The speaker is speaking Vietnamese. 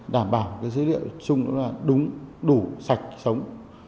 đảm bảo dữ liệu chung đúng đủ sạch sống